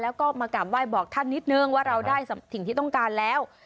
แล้วก็มากราบไหว้บอกท่านนิดนึงว่าเราได้สิ่งที่ต้องการแล้ว